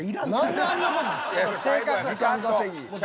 時間稼ぎ。